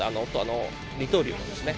二刀流ですね。